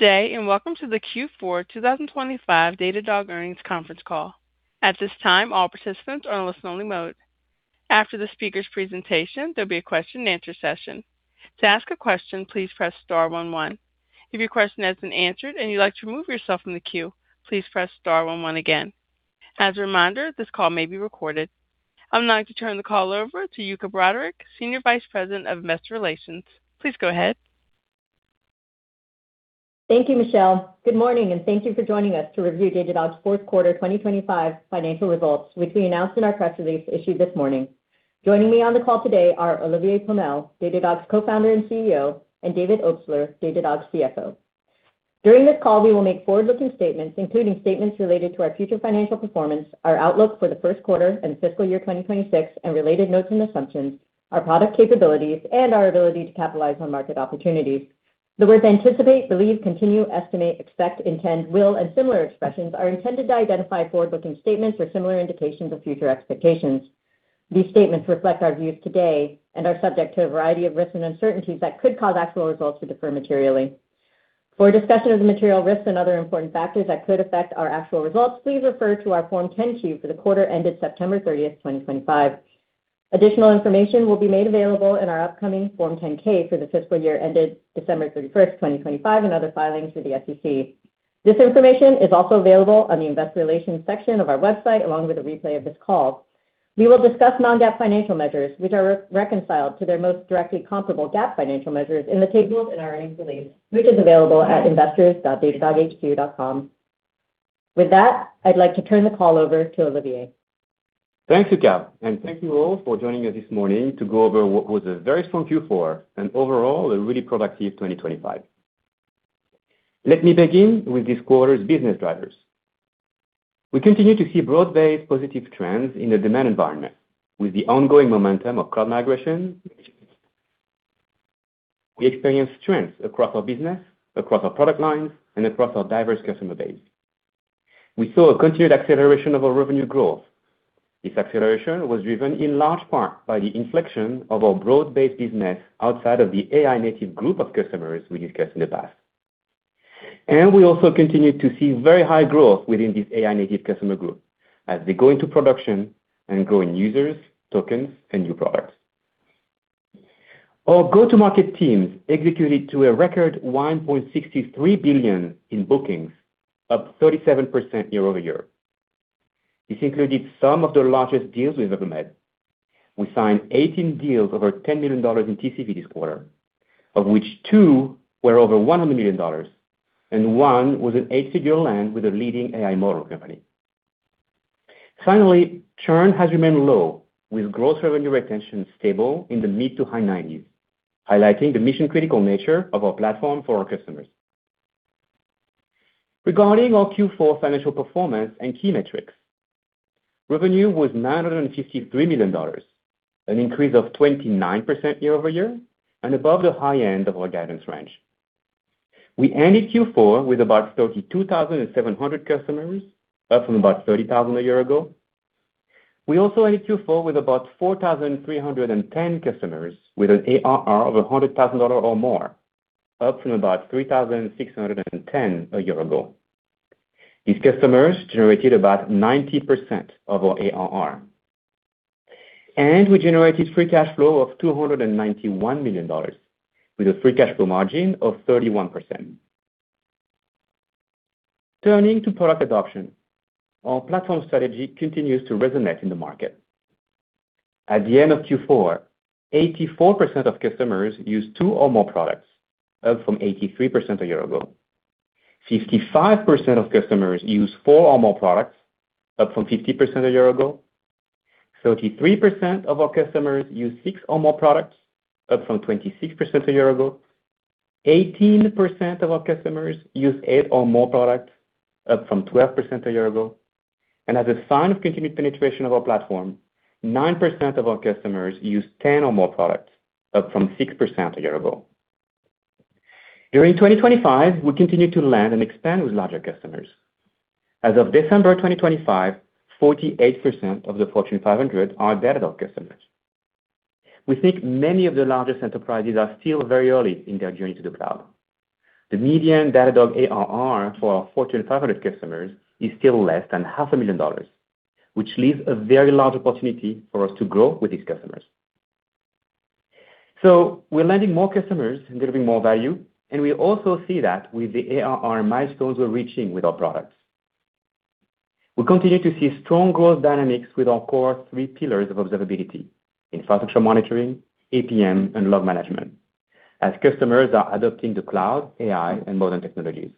Good day, and welcome to the Q4 2025 Datadog Earnings Conference Call. At this time, all participants are in listen-only mode. After the speaker's presentation, there'll be a question and answer session. To ask a question, please press star one one. If your question has been answered and you'd like to remove yourself from the queue, please press star one one again. As a reminder, this call may be recorded. I'm now going to turn the call over to Yuka Broderick, Senior Vice President of Investor Relations. Please go ahead. Thank you, Michelle. Good morning, and thank you for joining us to review Datadog's fourth quarter 2025 financial results, which we announced in our press release issued this morning. Joining me on the call today are Olivier Pomel, Datadog's Co-founder and CEO, and David Obstler, Datadog's CFO. During this call, we will make forward-looking statements, including statements related to our future financial performance, our outlook for the first quarter and fiscal year 2026, and related notes and assumptions, our product capabilities, and our ability to capitalize on market opportunities. The words anticipate, believe, continue, estimate, expect, intend, will, and similar expressions are intended to identify forward-looking statements or similar indications of future expectations. These statements reflect our views today and are subject to a variety of risks and uncertainties that could cause actual results to differ materially. For a discussion of the material risks and other important factors that could affect our actual results, please refer to our Form 10-Q for the quarter ended September 30, 2025. Additional information will be made available in our upcoming Form 10-K for the fiscal year ended December 31, 2025, and other filings with the SEC. This information is also available on the Investor Relations section of our website, along with a replay of this call. We will discuss non-GAAP financial measures, which are reconciled to their most directly comparable GAAP financial measures in the tables in our earnings release, which is available at investors.datadoghq.com. With that, I'd like to turn the call over to Olivier. Thanks, Yuka, and thank you all for joining us this morning to go over what was a very strong Q4 and overall a really productive 2025. Let me begin with this quarter's business drivers. We continue to see broad-based positive trends in the demand environment with the ongoing momentum of cloud migration. We experienced trends across our business, across our product lines, and across our diverse customer base. We saw a continued acceleration of our revenue growth. This acceleration was driven in large part by the inflection of our broad-based business outside of the AI native group of customers we discussed in the past. And we also continued to see very high growth within this AI native customer group as they go into production and grow in users, tokens, and new products. Our go-to-market teams executed to a record $1.63 billion in bookings, up 37% year-over-year. This included some of the largest deals we've ever made. We signed 18 deals over $10 million in TCV this quarter, of which two were over $100 million, and one was an eight-figure land with a leading AI model company. Finally, churn has remained low, with gross revenue retention stable in the mid- to high 90s, highlighting the mission-critical nature of our platform for our customers. Regarding our Q4 financial performance and key metrics, revenue was $953 million, an increase of 29% year-over-year and above the high end of our guidance range. We ended Q4 with about 32,700 customers, up from about 30,000 a year ago. We also ended Q4 with about 4,310 customers, with an ARR of $100,000 or more, up from about 3,610 a year ago. These customers generated about 90% of our ARR. We generated free cash flow of $291 million, with a free cash flow margin of 31%. Turning to product adoption, our platform strategy continues to resonate in the market. At the end of Q4, 84% of customers used two or more products, up from 83% a year ago. 55% of customers used four or more products, up from 50% a year ago. 33% of our customers used six or more products, up from 26% a year ago. 18% of our customers used eight or more products, up from 12% a year ago. As a sign of continued penetration of our platform, 9% of our customers used 10 or more products, up from 6% a year ago. During 2025, we continued to land and expand with larger customers. As of December 2025, 48% of the Fortune 500 are Datadog customers. We think many of the largest enterprises are still very early in their journey to the cloud. The median Datadog ARR for our Fortune 500 customers is still less than $500,000, which leaves a very large opportunity for us to grow with these customers. We're landing more customers and delivering more value, and we also see that with the ARR milestones we're reaching with our products. We continue to see strong growth dynamics with our core three pillars of observability: Infrastructure Monitoring, APM, and Log Management, as customers are adopting the cloud, AI, and modern technologies.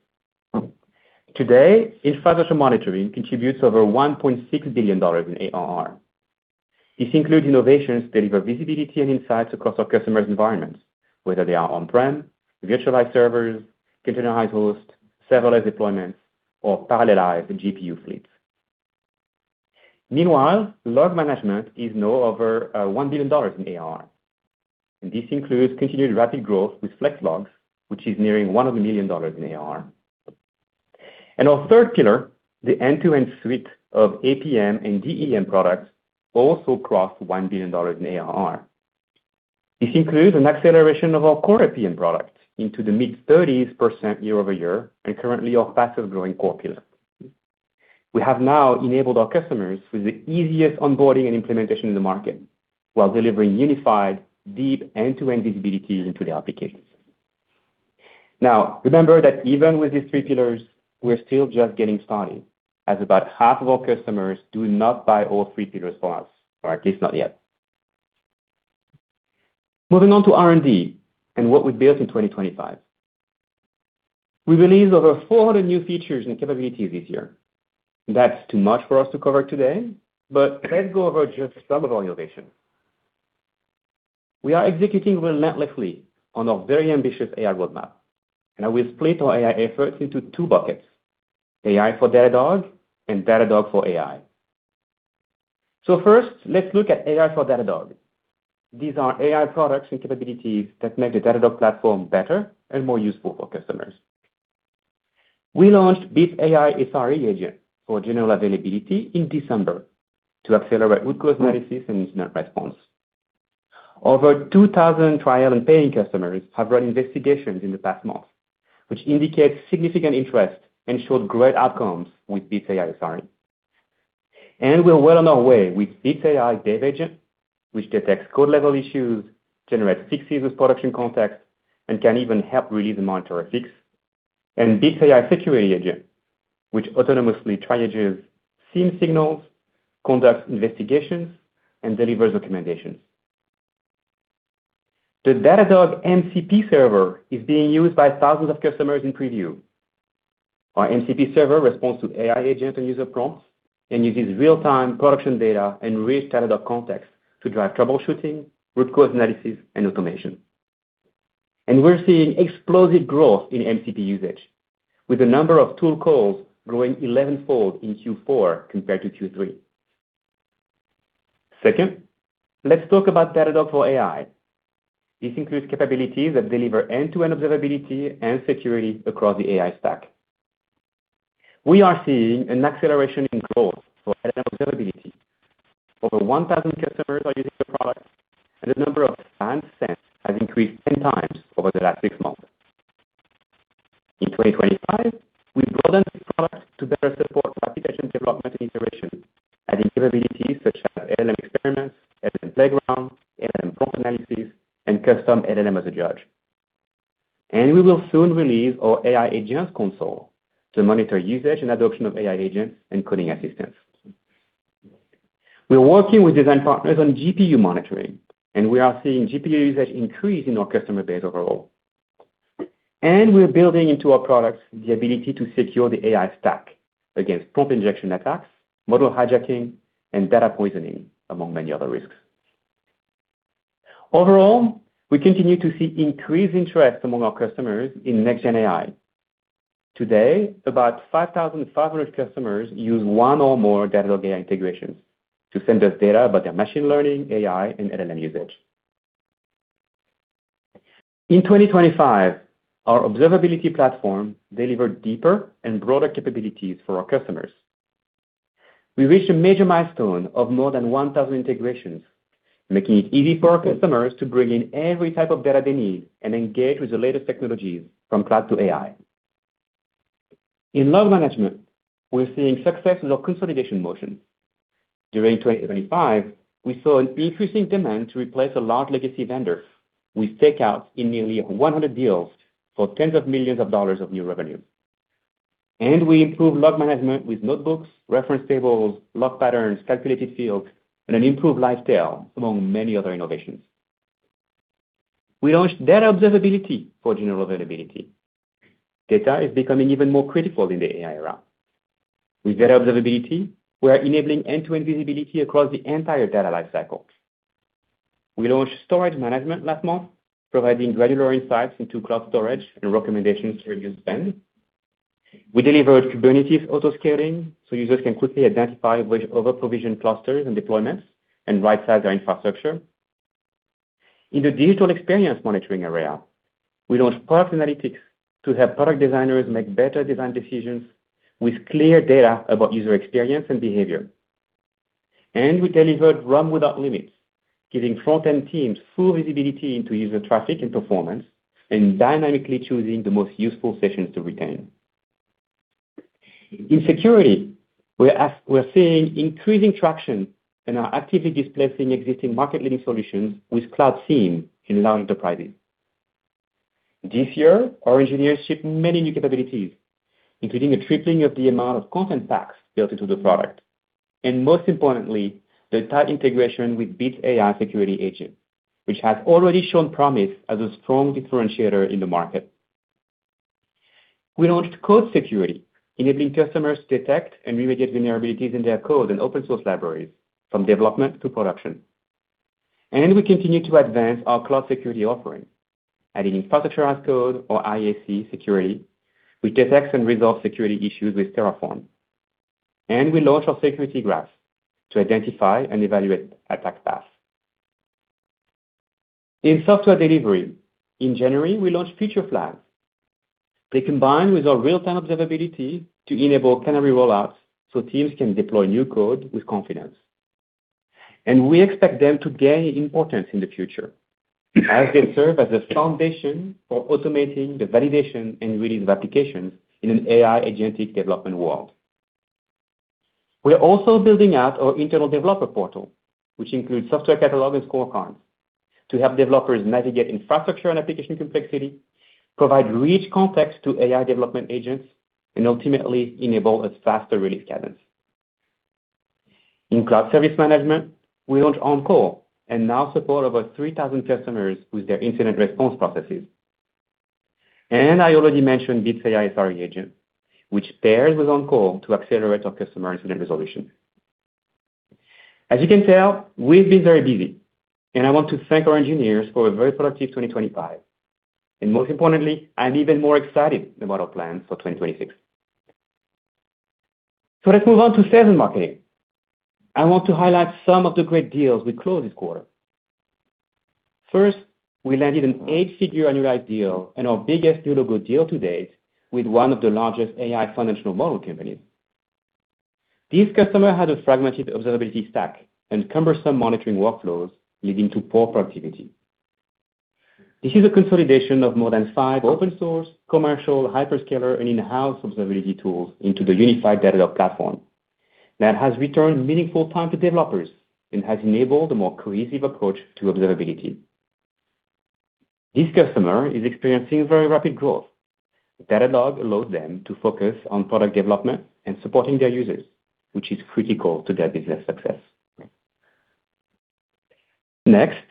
Today, Infrastructure Monitoring contributes over $1.6 billion in ARR. This includes innovations that deliver visibility and insights across our customers' environments, whether they are on-prem, virtualized servers, containerized hosts, serverless deployments, or parallelized GPU fleets. Meanwhile, Log Management is now over $1 billion in ARR, and this includes continued rapid growth with Flex Logs, which is nearing $100 million in ARR. Our third pillar, the end-to-end suite of APM and DEM products, also crossed $1 billion in ARR. This includes an acceleration of our core APM product into the mid-30s% year-over-year, and currently our fastest growing core pillar. We have now enabled our customers with the easiest onboarding and implementation in the market, while delivering unified, deep, end-to-end visibility into their applications. Now, remember that even with these three pillars, we're still just getting started, as about half of our customers do not buy all three pillars from us, or at least not yet. Moving on to R&D and what we built in 2025. We released over 400 new features and capabilities this year. That's too much for us to cover today, but let's go over just some of our innovations. We are executing relentlessly on our very ambitious AI roadmap, and I will split our AI efforts into two buckets: AI for Datadog and Datadog for AI. So first, let's look at AI for Datadog. These are AI products and capabilities that make the Datadog platform better and more useful for customers. We launched Bits AI SRE agent for general availability in December to accelerate root cause analysis and incident response. Over 2,000 trial and paying customers have run investigations in the past month, which indicates significant interest and showed great outcomes with Bits AI SRE. We're well on our way with Bits AI Dev Agent, which detects code-level issues, generates fixes with production context, and can even help release and monitor a fix. Bits AI Security Agent, which autonomously triages SIEM signals, conducts investigations, and delivers recommendations. The Datadog MCP Server is being used by thousands of customers in preview. Our MCP server responds to AI agent and user prompts and uses real-time production data and rich Datadog context to drive troubleshooting, root cause analysis, and automation. We're seeing explosive growth in MCP usage, with the number of tool calls growing elevenfold in Q4 compared to Q3. Second, let's talk about Datadog for AI. This includes capabilities that deliver end-to-end observability and security across the AI stack. We are seeing an acceleration in growth for observability. Over 1,000 customers are using the product, and the number of brands since has increased 10 times over the last six months. In 2025, we broadened the product to better support application development and iteration, adding capabilities such as LLM experiments, LLM playground, LLM prompt analysis, and custom LLM as a judge. We will soon release our AI agents console to monitor usage and adoption of AI agents and coding assistance. We're working with design partners on GPU monitoring, and we are seeing GPU usage increase in our customer base overall. We're building into our products the ability to secure the AI stack against prompt injection attacks, model hijacking, and data poisoning, among many other risks. Overall, we continue to see increased interest among our customers in next-gen AI. Today, about 5,500 customers use one or more Datadog AI integrations to send us data about their machine learning, AI, and LLM usage. In 2025, our observability platform delivered deeper and broader capabilities for our customers. We reached a major milestone of more than 1,000 integrations, making it easy for our customers to bring in every type of data they need and engage with the latest technologies from cloud to AI. In log management, we're seeing success in our consolidation motion. During 2025, we saw an increasing demand to replace a large legacy vendor with Datadog in nearly 100 deals for $10s of millions of new revenue. We improved log management with notebooks, reference tables, log patterns, calculated fields, and an improved Live Tail, among many other innovations. We launched Data Observability for general availability. Data is becoming even more critical in the AI era. With Data Observability, we are enabling end-to-end visibility across the entire data lifecycle. We launched Storage Management last month, providing granular insights into cloud storage and recommendations to reduce spend. We delivered Kubernetes autoscaling, so users can quickly identify which overprovisioned clusters and deployments and right-size their infrastructure. In the digital experience monitoring area, we launched Path Analytics to help product designers make better design decisions with clear data about user experience and behavior. And we delivered RUM without limits, giving front-end teams full visibility into user traffic and performance, and dynamically choosing the most useful sessions to retain. In security, we're seeing increasing traction and are actively displacing existing market-leading solutions with Cloud SIEM in large enterprises. This year, our engineers shipped many new capabilities, including a tripling of the amount of content packs built into the product, and most importantly, the tight integration with Bits AI Security Agent, which has already shown promise as a strong differentiator in the market. We launched Code Security, enabling customers to detect and remediate vulnerabilities in their code and open source libraries from development to production. We continue to advance our cloud security offering, adding infrastructure as code or IaC security, which detects and resolves security issues with Terraform. We launched our Security Graph to identify and evaluate attack paths. In software delivery, in January, we launched Feature Flags. They combine with our real-time observability to enable canary rollouts, so teams can deploy new code with confidence. We expect them to gain importance in the future, as they serve as a foundation for automating the validation and release of applications in an AI agentic development world. We are also building out our internal developer portal, which includes software catalog and scorecards, to help developers navigate infrastructure and application complexity, provide rich context to AI development agents, and ultimately enable a faster release cadence. In cloud service management, we launched OnCall and now support over 3,000 customers with their incident response processes. And I already mentioned Bits AI SRE Agent, which pairs with OnCall to accelerate our customer incident resolution. As you can tell, we've been very busy, and I want to thank our engineers for a very productive 2025. And most importantly, I'm even more excited about our plans for 2026. So let's move on to sales and marketing. I want to highlight some of the great deals we closed this quarter. First, we landed an eight-figure annualized deal and our biggest new logo deal to date with one of the largest AI financial model companies. This customer had a fragmented observability stack and cumbersome monitoring workflows, leading to poor productivity. This is a consolidation of more than five open-source, commercial, hyperscaler, and in-house observability tools into the unified Datadog platform. That has returned meaningful time to developers and has enabled a more cohesive approach to observability. This customer is experiencing very rapid growth. Datadog allows them to focus on product development and supporting their users, which is critical to their business success. Next,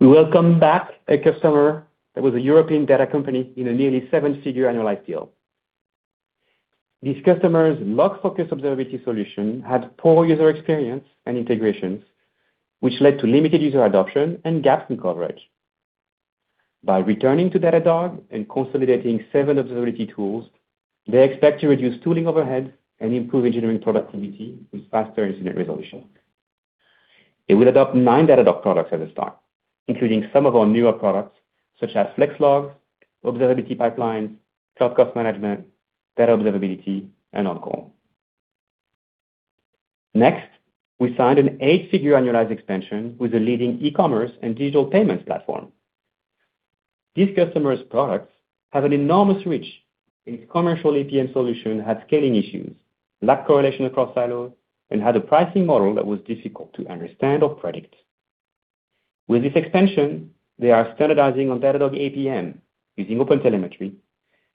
we welcome back a customer that was a European data company in a nearly seven-figure annualized deal. This customer's log-focused observability solution had poor user experience and integrations, which led to limited user adoption and gaps in coverage. By returning to Datadog and consolidating seven observability tools, they expect to reduce tooling overhead and improve engineering productivity with faster incident resolution. It will adopt nine Datadog products at the start, including some of our newer products, such as Flex Logs, Observability Pipelines, Cloud Cost Management, Data Observability, and OnCall. Next, we signed an eight-figure annualized expansion with a leading e-commerce and digital payments platform. This customer's products have an enormous reach, and its commercial APM solution had scaling issues, lacked correlation across silos, and had a pricing model that was difficult to understand or predict. With this expansion, they are standardizing on Datadog APM using OpenTelemetry,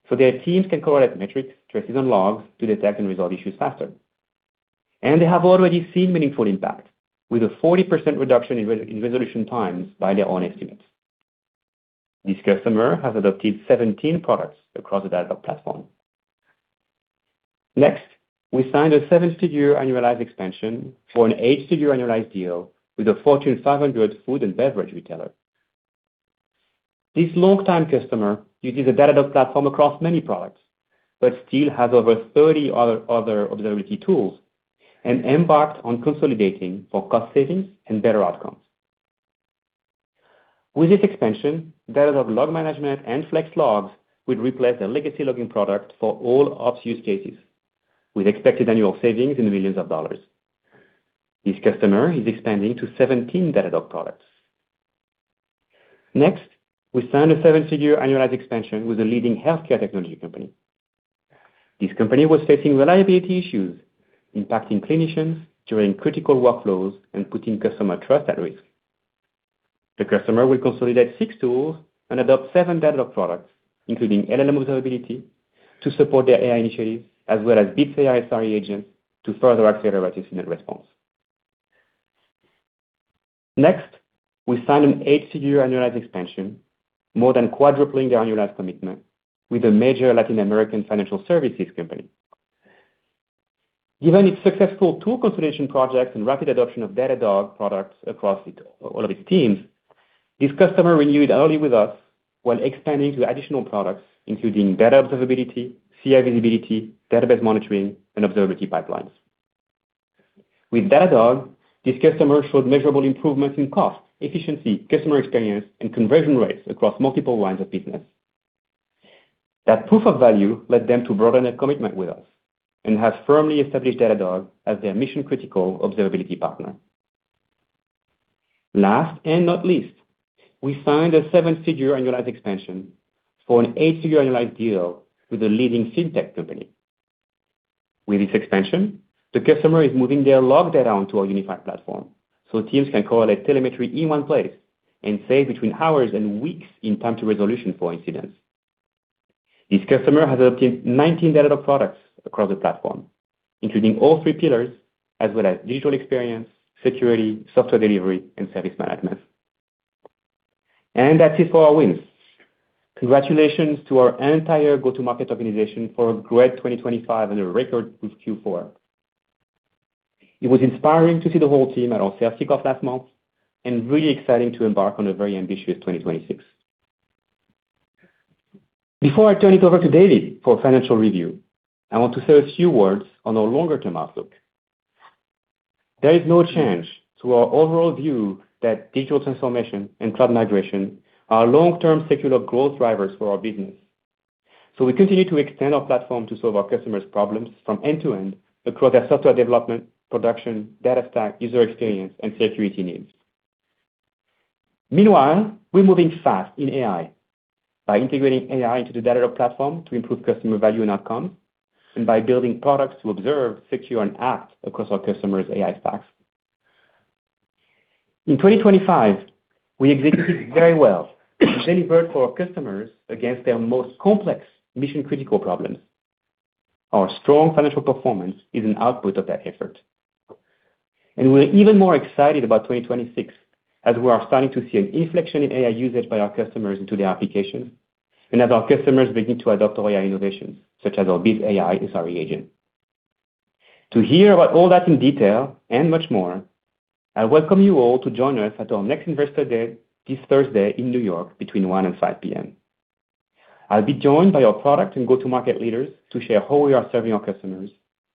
so their teams can correlate metrics, traces, and logs to detect and resolve issues faster. And they have already seen meaningful impact, with a 40% reduction in resolution times by their own estimates. This customer has adopted 17 products across the Datadog platform. Next, we signed a seven-figure annualized expansion for an eight-figure annualized deal with a Fortune 500 food and beverage retailer. This long-time customer uses a Datadog platform across many products, but still has over 30 other observability tools and embarked on consolidating for cost savings and better outcomes. With this expansion, Datadog Log Management and Flex Logs will replace their legacy logging product for all ops use cases, with expected annual savings in the $ millions. This customer is expanding to 17 Datadog products. Next, we signed a seven-figure annualized expansion with a leading healthcare technology company. This company was facing reliability issues, impacting clinicians during critical workflows and putting customer trust at risk. The customer will consolidate 6 tools and adopt 7 Datadog products, including LLM Observability, to support their AI initiatives, as well as Bits AI SRE Agent to further accelerate incident response. Next, we signed an eight-figure annualized expansion, more than quadrupling the annualized commitment with a major Latin American financial services company. Given its successful tool consolidation project and rapid adoption of Datadog products across all of its teams, this customer renewed early with us while expanding to additional products, including Data Observability, CI Visibility, Database Monitoring, and Observability Pipelines. With Datadog, this customer showed measurable improvements in cost, efficiency, customer experience, and conversion rates across multiple lines of business. That proof of value led them to broaden their commitment with us and has firmly established Datadog as their mission-critical observability partner. Last and not least, we signed a seven-figure annualized expansion for an eight-figure annualized deal with a leading fintech company. With this expansion, the customer is moving their log data onto our unified platform, so teams can correlate telemetry in one place and save between hours and weeks in time to resolution for incidents. This customer has adopted 19 Datadog products across the platform, including all three pillars, as well as digital experience, security, software delivery, and service management. And that's it for our wins. Congratulations to our entire go-to-market organization for a great 2025 and a record with Q4. It was inspiring to see the whole team at our CRO kick off last month and really exciting to embark on a very ambitious 2026.... Before I turn it over to David for a financial review, I want to say a few words on our longer-term outlook. There is no change to our overall view that digital transformation and cloud migration are long-term secular growth drivers for our business. So we continue to extend our platform to solve our customers' problems from end to end across their software development, production, data stack, user experience, and security needs. Meanwhile, we're moving fast in AI by integrating AI into the Datadog platform to improve customer value and outcome, and by building products to observe, secure, and act across our customers' AI stacks. In 2025, we executed very well and delivered for our customers against their most complex mission-critical problems. Our strong financial performance is an output of that effort. We're even more excited about 2026, as we are starting to see an inflection in AI usage by our customers into their applications, and as our customers begin to adopt AI innovations, such as our Bits AI SRE Agent. To hear about all that in detail and much more, I welcome you all to join us at our next Investor Day, this Thursday in New York, between 1:00 P.M. and 5:00 P.M. I'll be joined by our product and go-to-market leaders to share how we are serving our customers,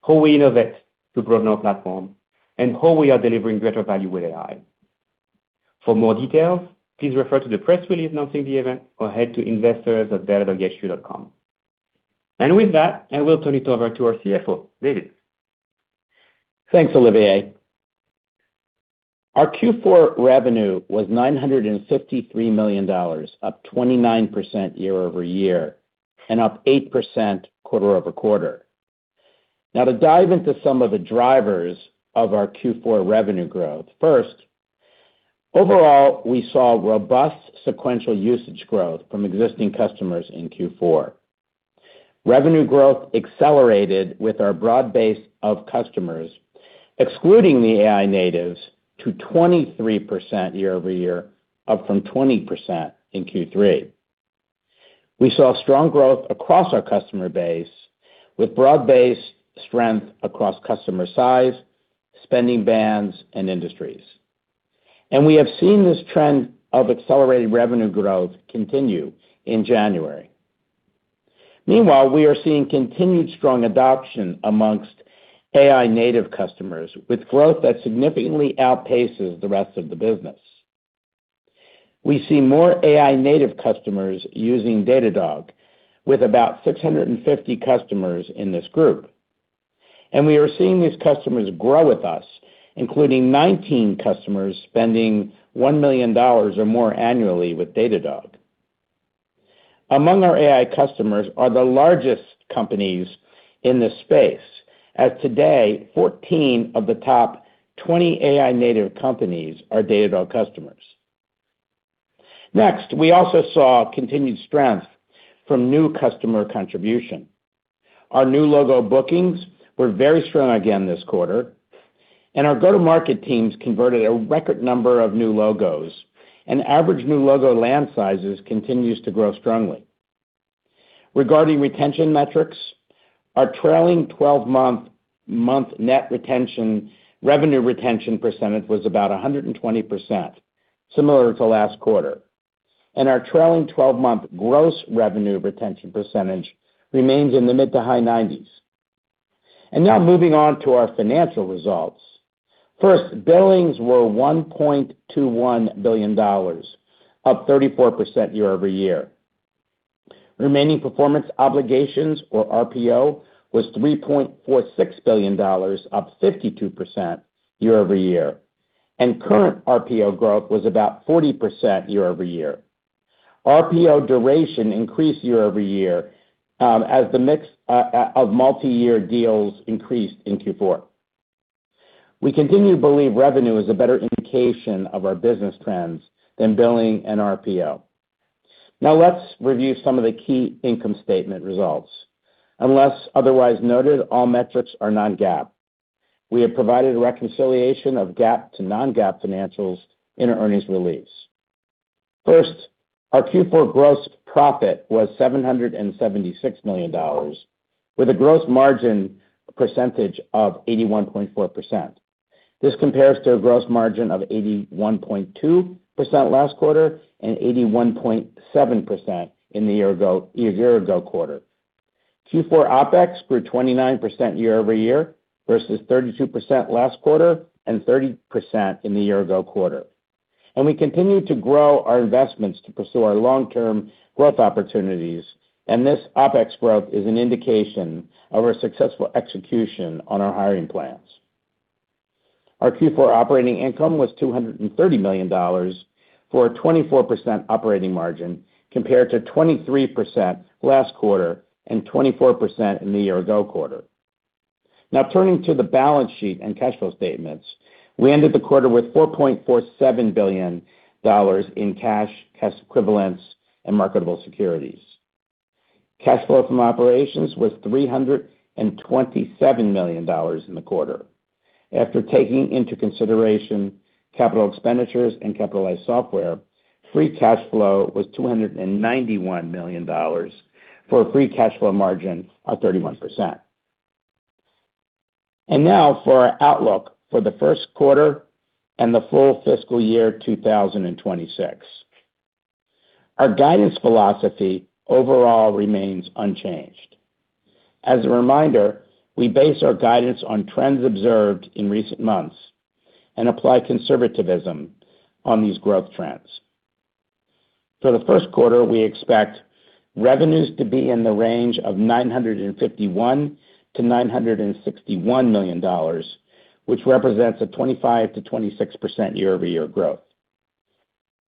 how we innovate to broaden our platform, and how we are delivering greater value with AI. For more details, please refer to the press release announcing the event or head to investors.datadoghq.com. And with that, I will turn it over to our CFO, David. Thanks, Olivier. Our Q4 revenue was $953 million, up 29% year-over-year, and up 8% quarter-over-quarter. Now, to dive into some of the drivers of our Q4 revenue growth. First, overall, we saw robust sequential usage growth from existing customers in Q4. Revenue growth accelerated with our broad base of customers, excluding the AI natives, to 23% year-over-year, up from 20% in Q3. We saw strong growth across our customer base, with broad-based strength across customer size, spending bands, and industries, and we have seen this trend of accelerated revenue growth continue in January. Meanwhile, we are seeing continued strong adoption amongst AI native customers, with growth that significantly outpaces the rest of the business. We see more AI-native customers using Datadog, with about 650 customers in this group, and we are seeing these customers grow with us, including 19 customers spending $1 million or more annually with Datadog. Among our AI customers are the largest companies in this space. As of today, 14 of the top 20 AI-native companies are Datadog customers. Next, we also saw continued strength from new customer contribution. Our new logo bookings were very strong again this quarter, and our go-to-market teams converted a record number of new logos, and average new logo land sizes continues to grow strongly. Regarding retention metrics, our trailing 12-month net revenue retention percentage was about 120%, similar to last quarter, and our trailing 12-month gross revenue retention percentage remains in the mid- to high 90s. Now moving on to our financial results. First, billings were $1.21 billion, up 34% year-over-year. Remaining performance obligations, or RPO, was $3.46 billion, up 52% year-over-year, and current RPO growth was about 40% year-over-year. RPO duration increased year-over-year, as the mix of multiyear deals increased in Q4. We continue to believe revenue is a better indication of our business trends than billing and RPO. Now, let's review some of the key income statement results. Unless otherwise noted, all metrics are non-GAAP. We have provided a reconciliation of GAAP to non-GAAP financials in our earnings release. First, our Q4 gross profit was $776 million, with a gross margin percentage of 81.4%. This compares to a gross margin of 81.2% last quarter and 81.7% in the year ago, year-ago quarter. Q4 OpEx grew 29% year over year, versus 32% last quarter and 30% in the year-ago quarter. We continue to grow our investments to pursue our long-term growth opportunities, and this OpEx growth is an indication of our successful execution on our hiring plans. Our Q4 operating income was $230 million, for a 24% operating margin, compared to 23% last quarter and 24% in the year-ago quarter. Now, turning to the balance sheet and cash flow statements. We ended the quarter with $4.47 billion in cash, cash equivalents, and marketable securities. Cash flow from operations was $327 million in the quarter. After taking into consideration capital expenditures and capitalized software, free cash flow was $291 million, for a free cash flow margin of 31%. Now for our outlook for the first quarter and the full fiscal year 2026. Our guidance philosophy overall remains unchanged. As a reminder, we base our guidance on trends observed in recent months and apply conservatism on these growth trends. For the first quarter, we expect revenues to be in the range of $951 million-$961 million, which represents a 25%-26% year-over-year growth.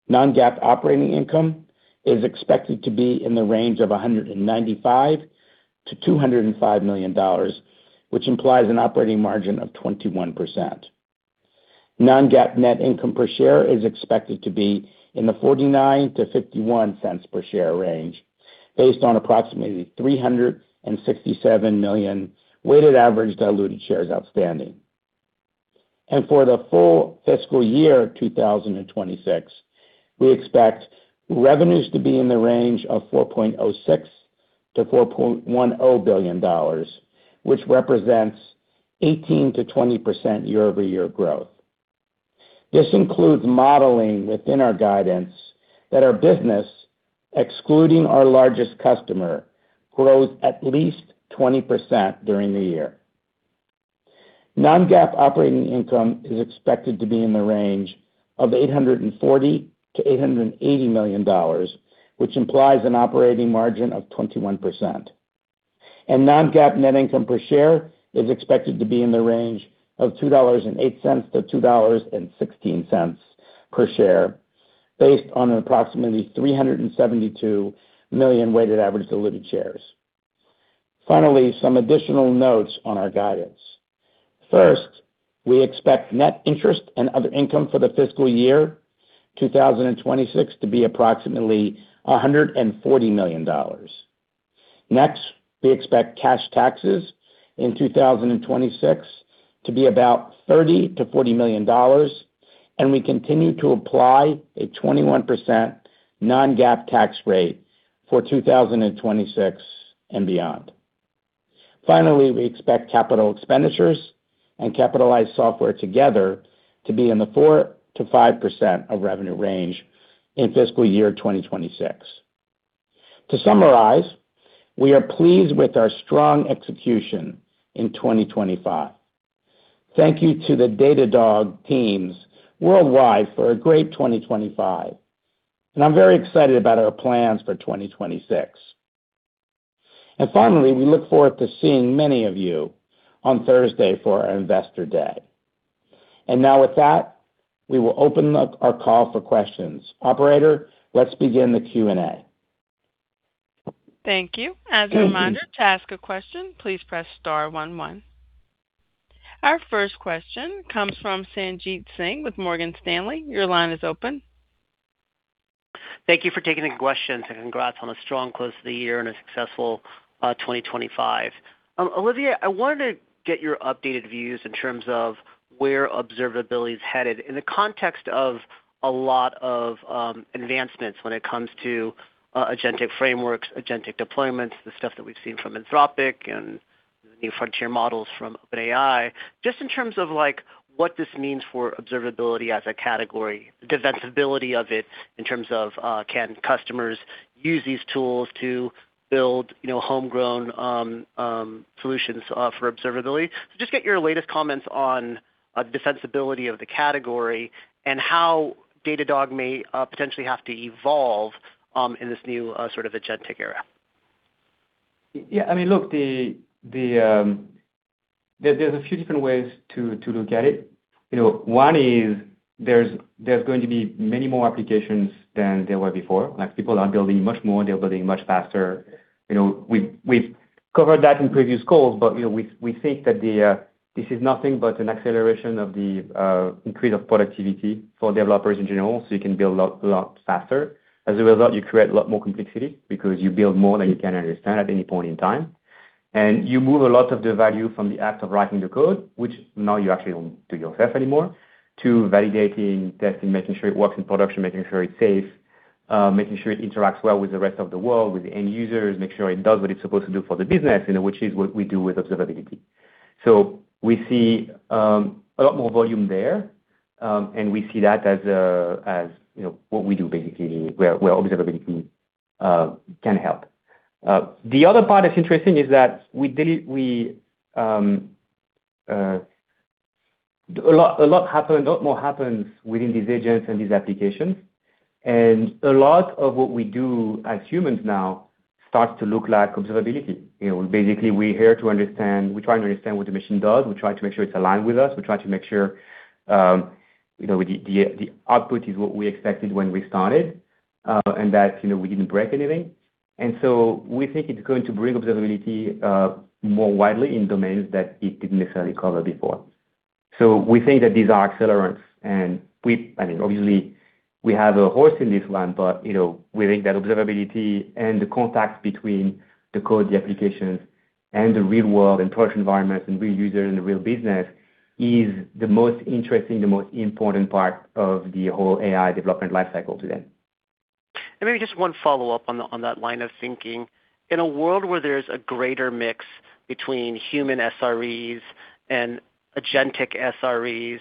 Non-GAAP operating income is expected to be in the range of $195 million-$205 million, which implies an operating margin of 21%. Non-GAAP net income per share is expected to be in the $0.49-$0.51 per share range, based on approximately 367 million weighted average diluted shares outstanding. For the full fiscal year 2026, we expect revenues to be in the range of $4.06 billion-$4.1 billion, which represents 18%-20% year-over-year growth. This includes modeling within our guidance that our business, excluding our largest customer, grows at least 20% during the year. Non-GAAP operating income is expected to be in the range of $840-$880 million, which implies an operating margin of 21%. Non-GAAP net income per share is expected to be in the range of $2.08-$2.16 per share, based on approximately 372 million weighted average diluted shares. Finally, some additional notes on our guidance. First, we expect net interest and other income for the fiscal year 2026 to be approximately $140 million. Next, we expect cash taxes in 2026 to be about $30 million-$40 million, and we continue to apply a 21% Non-GAAP tax rate for 2026 and beyond. Finally, we expect capital expenditures and capitalized software together to be in the 4%-5% of revenue range in fiscal year 2026. To summarize, we are pleased with our strong execution in 2025. Thank you to the Datadog teams worldwide for a great 2025, and I'm very excited about our plans for 2026. Finally, we look forward to seeing many of you on Thursday for our Investor Day. Now with that, we will open up our call for questions. Operator, let's begin the Q&A. Thank you. As a reminder, to ask a question, please press star one, one. Our first question comes from Sanjit Singh with Morgan Stanley. Your line is open. Thank you for taking the question, and congrats on a strong close to the year and a successful 2025. Olivier, I wanted to get your updated views in terms of where observability is headed in the context of a lot of advancements when it comes to agentic frameworks, agentic deployments, the stuff that we've seen from Anthropic and the new frontier models from OpenAI. Just in terms of, like, what this means for observability as a category, defensibility of it, in terms of can customers use these tools to build, you know, homegrown solutions for observability? So just get your latest comments on the sensibility of the category and how Datadog may potentially have to evolve in this new sort of agentic era. Yeah, I mean, look, the there's a few different ways to look at it. You know, one is there's going to be many more applications than there were before. Like, people are building much more, they're building much faster. You know, we've covered that in previous calls, but, you know, we think that this is nothing but an acceleration of the increase of productivity for developers in general, so you can build a lot faster. As a result, you create a lot more complexity because you build more than you can understand at any point in time. You move a lot of the value from the act of writing the code, which now you actually don't do yourself anymore, to validating, testing, making sure it works in production, making sure it's safe, making sure it interacts well with the rest of the world, with the end users, make sure it does what it's supposed to do for the business, you know, which is what we do with observability. So we see a lot more volume there, and we see that as, you know, what we do basically, where observability can help. The other part that's interesting is that a lot more happens within these agents and these applications, and a lot of what we do as humans now starts to look like observability. You know, basically, we're here to understand. We're trying to understand what the machine does. We try to make sure it's aligned with us. We try to make sure, you know, the output is what we expected when we started, and that, you know, we didn't break anything. And so we think it's going to bring observability more widely in domains that it didn't necessarily cover before. So we think that these are accelerants, and I mean, obviously, we have a horse in this one, but, you know, we think that observability and the contexts between the code, the applications, and the real world and production environments, and real users, and the real business is the most interesting, the most important part of the whole AI development lifecycle today. Maybe just one follow-up on that line of thinking. In a world where there's a greater mix between human SREs and agentic SREs,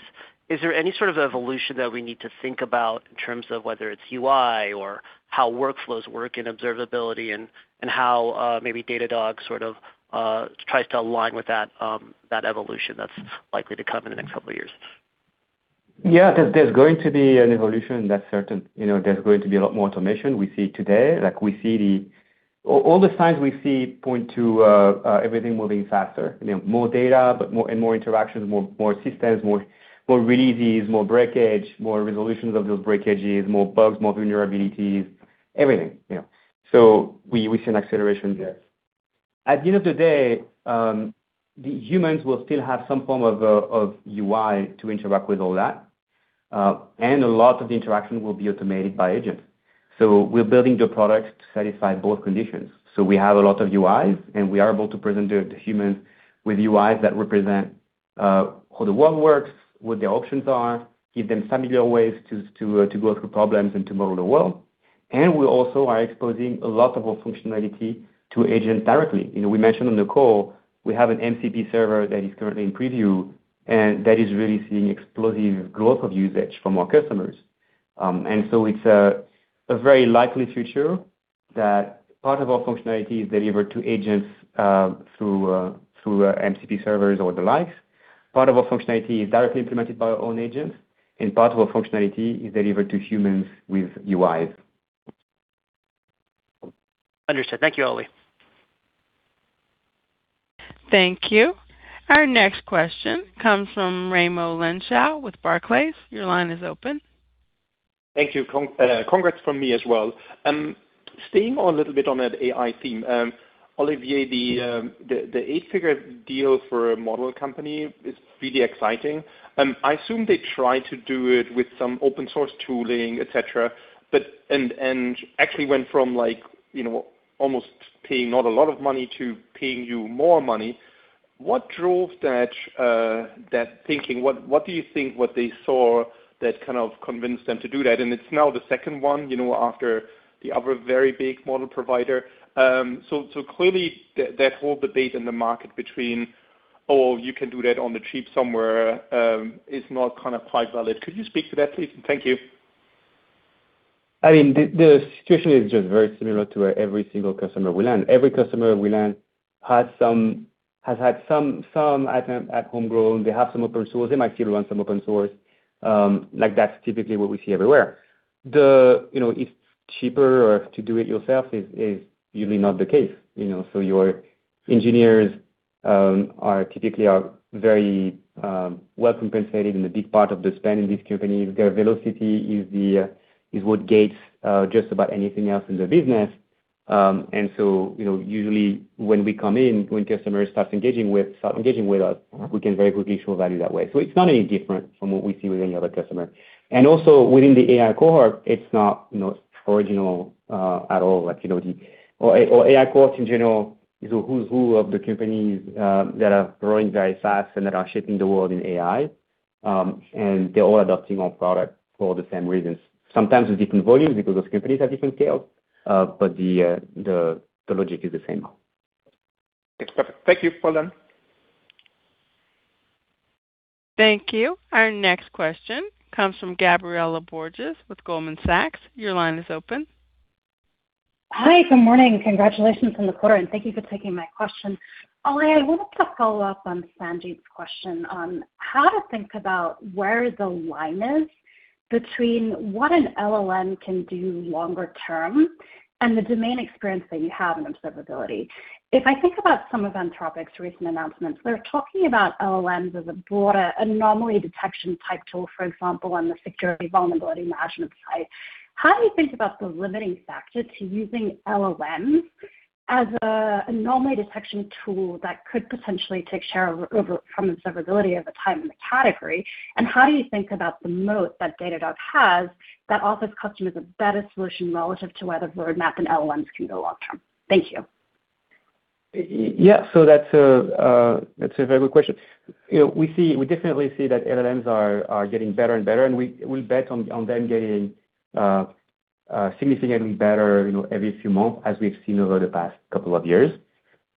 is there any sort of evolution that we need to think about in terms of whether it's UI or how workflows work in observability and how maybe Datadog sort of tries to align with that that evolution that's likely to come in the next couple of years? Yeah, there's going to be an evolution, that's certain. You know, there's going to be a lot more automation we see today. Like, we see all the signs we see point to everything moving faster. You know, more data, but more and more interactions, more systems, more releases, more breakage, more resolutions of those breakages, more bugs, more vulnerabilities, everything, you know. So we see an acceleration there. At the end of the day, the humans will still have some form of UI to interact with all that, and a lot of the interaction will be automated by agents. So we're building the products to satisfy both conditions. So we have a lot of UIs, and we are able to present the humans with UIs that represent how the world works, what the options are, give them familiar ways to go through problems and to model the world. And we also are exposing a lot of our functionality to agents directly. You know, we mentioned on the call, we have an MCP server that is currently in preview, and that is really seeing explosive growth of usage from our customers. And so it's a very likely future that part of our functionality is delivered to agents through MCP servers or the likes. Part of our functionality is directly implemented by our own agents, and part of our functionality is delivered to humans with UIs. Understood. Thank you, Oli. Thank you. Our next question comes from Raimo Lenschow with Barclays. Your line is open. Thank you. Congrats from me as well. Staying on a little bit on that AI theme, Olivier, the eight-figure deal for a model company is really exciting. I assume they try to do it with some open source tooling, et cetera, but actually went from like, you know, almost paying not a lot of money to paying you more money. What drove that thinking? What do you think they saw that kind of convinced them to do that? It's now the second one, you know, after the other very big model provider. So clearly, that whole debate in the market between, oh, you can do that on the cheap somewhere, is not kind of quite valid. Could you speak to that, please? Thank you. I mean, the situation is just very similar to every single customer we land. Every customer we land has had some item at homegrown. They have some open source. They might still run some open source. Like, that's typically what we see everywhere. You know, it's cheaper or to do it yourself is usually not the case, you know, so your engineers are typically very well compensated and a big part of the spend in these companies. Their velocity is what gates just about anything else in the business. And so, you know, usually when we come in, when customers start engaging with us, we can very quickly show value that way. So it's not any different from what we see with any other customer. And also, within the AI cohort, it's not, you know, original at all. Like, you know, the AI cohorts in general is a who's who of the companies that are growing very fast and that are shaping the world in AI, and they're all adopting our product for the same reasons. Sometimes with different volumes, because those companies have different scales, but the logic is the same. It's perfect. Thank you for them. Thank you. Our next question comes from Gabriela Borges, with Goldman Sachs. Your line is open. Hi, good morning. Congratulations on the quarter, and thank you for taking my question. Oli, I wanted to follow up on Sanjit's question on how to think about where the line is between what an LLM can do longer term and the domain experience that you have in observability. If I think about some of Anthropic's recent announcements, they're talking about LLMs as a broader anomaly detection type tool, for example, on the security vulnerability management side. How do you think about the limiting factor to using LLMs as an anomaly detection tool that could potentially take share over, over from observability at the time in the category? And how do you think about the moat that Datadog has that offers customers a better solution relative to where the roadmap and LLMs can go long term? Thank you. Yeah. So that's a, that's a very good question. You know, we definitely see that LLMs are getting better and better, and we bet on them getting significantly better, you know, every few months, as we've seen over the past couple of years.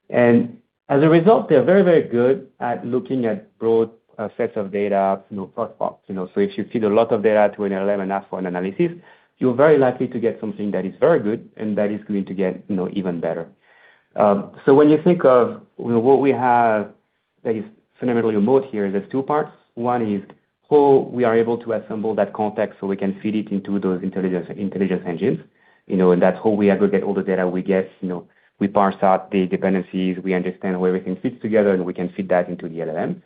And as a result, they're very, very good at looking at broad sets of data, you know, first part. You know, so if you feed a lot of data to an LLM app for an analysis, you're very likely to get something that is very good and that is going to get, you know, even better. So when you think of, you know, what we have that is fundamentally moat here, there's two parts. One is how we are able to assemble that context so we can feed it into those intelligence, intelligence engines, you know, and that's how we aggregate all the data we get. You know, we parse out the dependencies, we understand where everything fits together, and we can feed that into the LLM.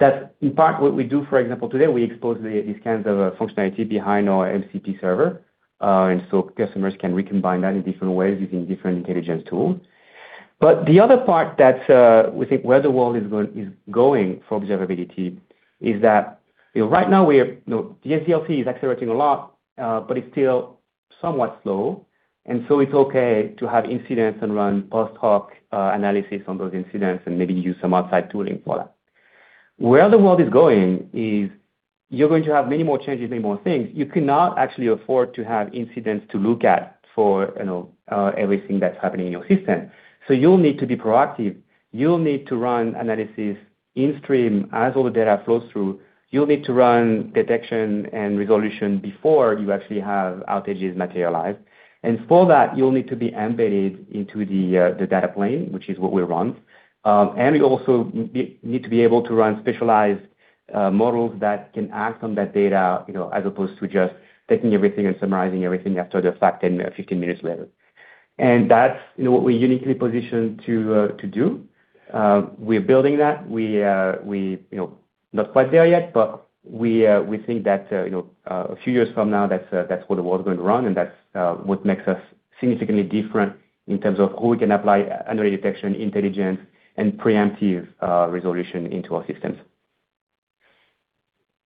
That's in part what we do, for example, today, we expose these kinds of functionality behind our MCP server, and so customers can recombine that in different ways using different intelligence tools. But the other part that, we think where the world is going, is going for observability is that, you know, right now we are, you know, the SDLC is accelerating a lot, but it's still somewhat slow, and so it's okay to have incidents and run post-hoc, analysis on those incidents and maybe use some outside tooling for that. Where the world is going is you're going to have many more changes, many more things. You cannot actually afford to have incidents to look at for, you know, everything that's happening in your system. So you'll need to be proactive. You'll need to run analysis in stream as all the data flows through. You'll need to run detection and resolution before you actually have outages materialize. And for that, you'll need to be embedded into the data plane, which is what we run. And you also need to be able to run specialized models that can act on that data, you know, as opposed to just taking everything and summarizing everything after the fact and 15 minutes later. And that's, you know, what we're uniquely positioned to do. We're building that. We, you know, not quite there yet, but we think that, you know, a few years from now, that's, that's what the world's going to run, and that's what makes us significantly different in terms of how we can apply anomaly detection, intelligence, and preemptive resolution into our systems.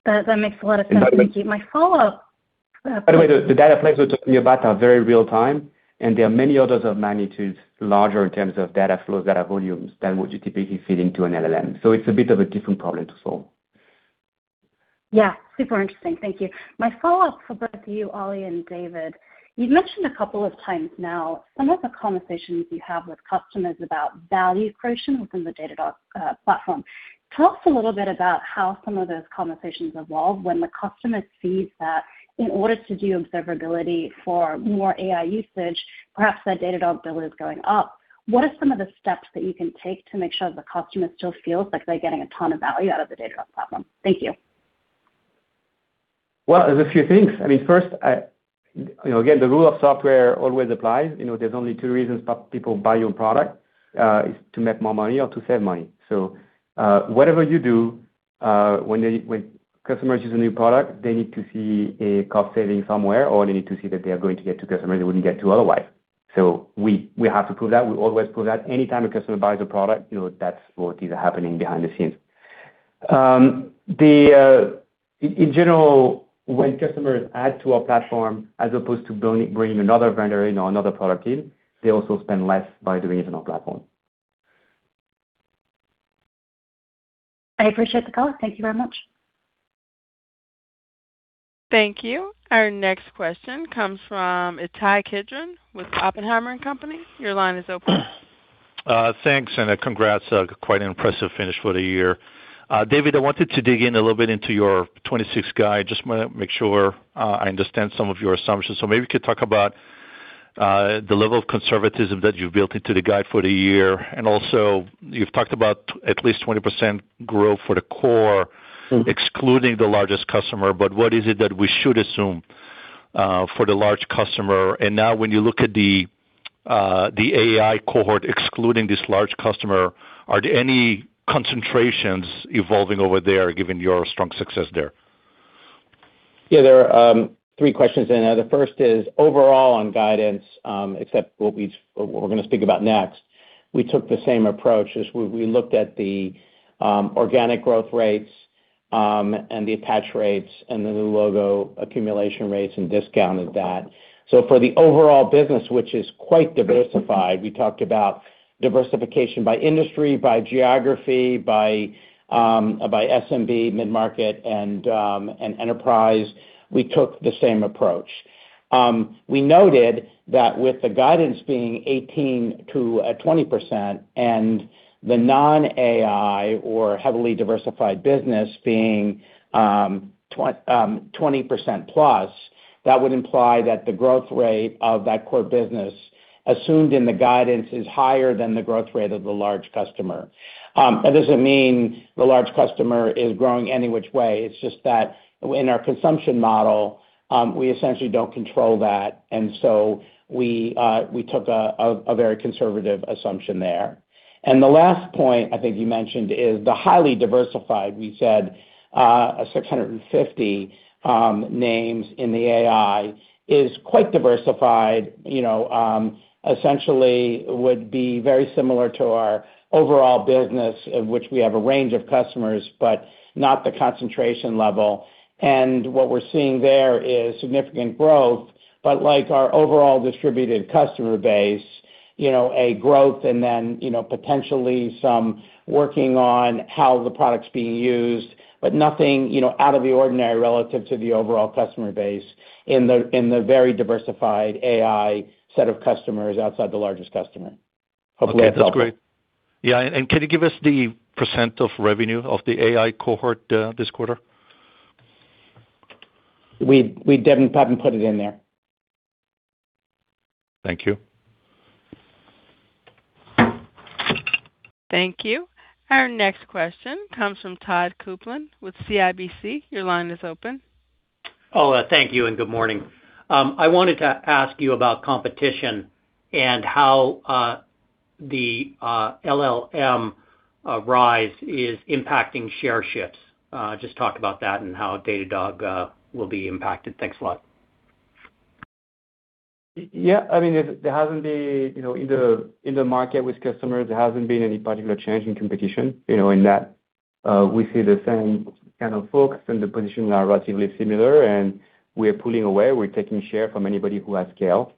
That makes a lot of sense. Thank you. My follow-up, By the way, the data plates we're talking about are very real time, and there are many orders of magnitudes larger in terms of data flows, data volumes, than what you typically feed into an LLM. So it's a bit of a different problem to solve. Yeah, super interesting. Thank you. My follow-up for both you, Oli and David, you've mentioned a couple of times now, some of the conversations you have with customers about value creation within the Datadog platform. Tell us a little bit about how some of those conversations evolve when the customer sees that in order to do observability for more AI usage, perhaps that Datadog bill is going up. What are some of the steps that you can take to make sure the customer still feels like they're getting a ton of value out of the Datadog platform? Thank you. Well, there's a few things. I mean, first, I, you know, again, the rule of software always applies. You know, there's only two reasons people buy your product is to make more money or to save money. So, whatever you do, when customers use a new product, they need to see a cost saving somewhere, or they need to see that they are going to get to customers they wouldn't get to otherwise. So we, we have to prove that. We always prove that. Anytime a customer buys a product, you know, that's what is happening behind the scenes. In general, when customers add to our platform as opposed to bringing another vendor in or another product in, they also spend less by doing it on our platform. I appreciate the call. Thank you very much. Thank you. Our next question comes from Ittai Kidron with Oppenheimer & Co. Your line is open. Thanks, and congrats. Quite an impressive finish for the year. David, I wanted to dig in a little bit into your 26 guide. Just wanna make sure I understand some of your assumptions. So maybe you could talk about the level of conservatism that you've built into the guide for the year. And also, you've talked about at least 20% growth for the core, excluding the largest customer, but what is it that we should assume for the large customer? And now when you look at the AI cohort, excluding this large customer, are there any concentrations evolving over there, given your strong success there? Yeah, there are three questions in there. The first is overall on guidance, except what we, what we're gonna speak about next. We took the same approach as we, we looked at the organic growth rates and the attach rates and the new logo accumulation rates and discounted that. So for the overall business, which is quite diversified, we talked about diversification by industry, by geography, by SMB, mid-market, and enterprise. We took the same approach. We noted that with the guidance being 18%-20% and the non-AI or heavily diversified business being 20%+, that would imply that the growth rate of that core business, assumed in the guidance, is higher than the growth rate of the large customer. That doesn't mean the large customer is growing any which way. It's just that in our consumption model, we essentially don't control that, and so we took a very conservative assumption there. And the last point I think you mentioned is the highly diversified. We said 650 names in the AI is quite diversified, you know, essentially would be very similar to our overall business, in which we have a range of customers, but not the concentration level. And what we're seeing there is significant growth, but like our overall distributed customer base, you know, a growth and then, you know, potentially some working on how the product's being used, but nothing, you know, out of the ordinary relative to the overall customer base in the very diversified AI set of customers outside the largest customer. Hopefully, that's helpful. Okay, that's great. Yeah, and can you give us the % of revenue of the AI cohort, this quarter? We hadn't put it in there. Thank you. Thank you. Our next question comes from Todd Coupland with CIBC. Your line is open. Oh, thank you, and good morning. I wanted to ask you about competition and how the LLM rise is impacting share shifts. Just talk about that and how Datadog will be impacted. Thanks a lot. Yeah. I mean, there hasn't been, you know, in the market with customers, any particular change in competition, you know, in that we see the same kind of folks, and the positioning are relatively similar, and we're pulling away. We're taking share from anybody who has scale.